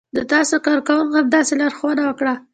د تاسې کارکونکو همداسې لارښوونه وکړه.